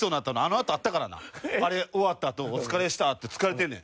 あれ終わったあと「お疲れでした」って疲れてんねん。